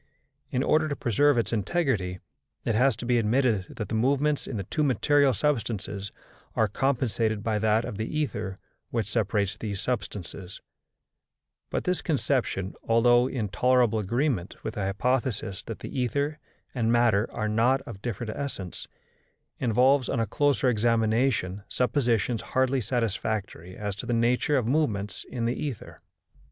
In order to preserve its integrity, it has to be admitted that the movements in the two material substances are compensated by that of the ether which separates these substances; but this conception, although in tolerable agreement with the hypothesis that the ether and matter are not of different essence, involves, on a closer examination, suppositions hardly satisfactory as to the nature of movements in the ether.